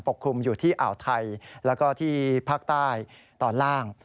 คลุมอยู่ที่อ่าวไทยแล้วก็ที่ภาคใต้ตอนล่าง